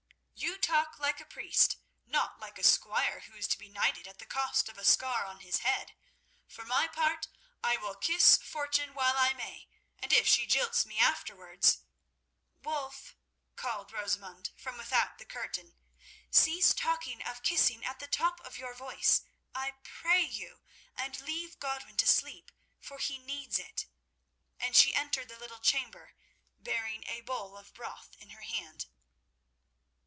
"You talk like a priest, not like a squire who is to be knighted at the cost of a scar on his head. For my part I will kiss Fortune while I may, and if she jilts me afterwards—" "Wulf," called Rosamund from without the curtain, "cease talking of kissing at the top of your voice, I pray you, and leave Godwin to sleep, for he needs it." And she entered the little chamber, bearing a bowl of broth in her hand.